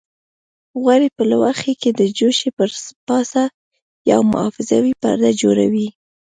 غوړي په لوښي کې د جوشې پر پاسه یو محافظوي پرده جوړوي.